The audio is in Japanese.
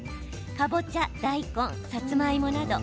かぼちゃ、大根、さつまいもなど。